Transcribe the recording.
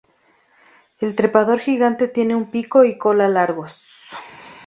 El trepador gigante tiene un pico y cola largos.